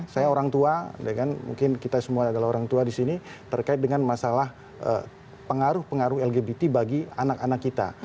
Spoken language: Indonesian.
saya orang tua mungkin kita semua adalah orang tua di sini terkait dengan masalah pengaruh pengaruh lgbt bagi anak anak kita